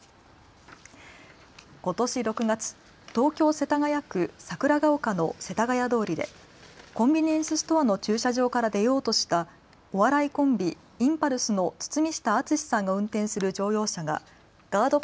ことし６月、東京世田谷区桜丘の世田谷通りでコンビニエンスストアの駐車場から出ようとしたお笑いコンビ、インパルスの堤下敦さんが運転する乗用車がガード